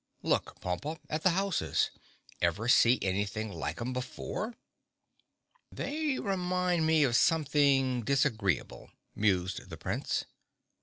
"Look, Pompa, at the houses. Ever see anything like 'em before?" "They remind me of something disagreeable," mused the Prince.